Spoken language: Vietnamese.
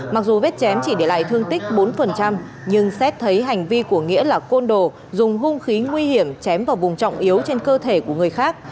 mặc dù vết chém chỉ để lại thương tích bốn nhưng xét thấy hành vi của nghĩa là côn đồ dùng hung khí nguy hiểm chém vào vùng trọng yếu trên cơ thể của người khác